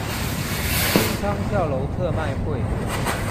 清倉跳樓特賣會